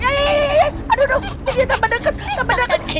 ya iya iya aduh dia tambah deket tambah deket